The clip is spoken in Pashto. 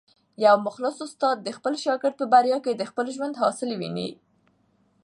یو مخلص استاد د خپل شاګرد په بریا کي د خپل ژوند حاصل ویني.